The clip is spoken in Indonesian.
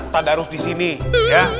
tak harus di sini ya